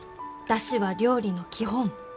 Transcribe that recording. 出汁は料理の基本。